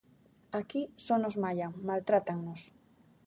Aquí só nos mallan, maltrátannos.